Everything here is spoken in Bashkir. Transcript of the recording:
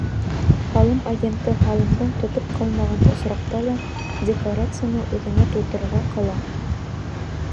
Һалым агенты һалымды тотоп ҡалмаған осраҡта ла декларацияны үҙеңә тултырырға ҡала.